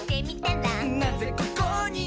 「なぜここに？」